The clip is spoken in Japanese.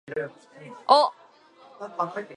お